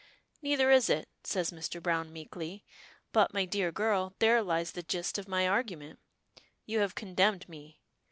"Neither is it," says Mr. Browne meekly, "but my dear girl, there lies the gist of my argument. You have condemned me.